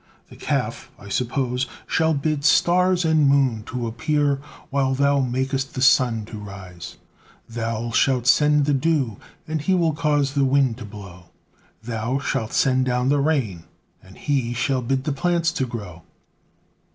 The Calf, I supposed, shall bid stars and moon to appear, while Thou makest the sun to rise; Thou shalt send the dew and he will cause the wind to blow; Thou shalt send down the rain, and he shall bid the plants to grow."